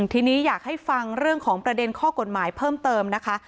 ทีนี้อยากให้ฟังเรื่องของประเด็นข้อกฎหมายเพิ่มเติมนะคะ